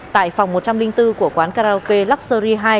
tại phòng một trăm linh bốn của quán karaoke luxury hai